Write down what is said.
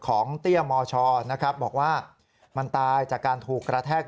เตี้ยมชนะครับบอกว่ามันตายจากการถูกกระแทก